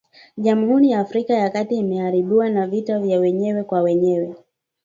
Jamhuri ya Afrika ya kati imeharibiwa na vita vya wenyewe kwa wenyewe